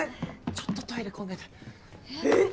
ちょっとトイレ混んでて。